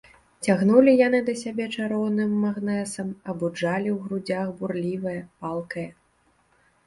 Цягнулі яны да сябе чароўным магнэсам, абуджалі ў грудзях бурлівае, палкае.